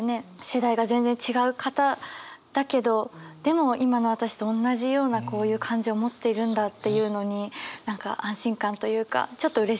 世代が全然違う方だけどでも今の私とおんなじようなこういう感情を持っているんだっていうのに何か安心感というかちょっとうれしくなったりもしました。